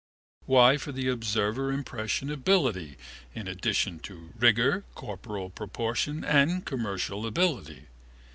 Why for the observer impressionability in addition to vigour, corporal proportion and commercial ability?